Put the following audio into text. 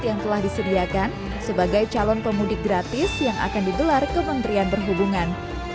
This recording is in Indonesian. yang telah disediakan sebagai calon pemudik gratis yang akan digelar kementerian perhubungan